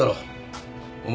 お前